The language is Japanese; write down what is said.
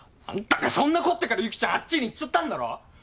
あんたがそんなこったから由岐ちゃんあっちに行っちゃったんだろ！？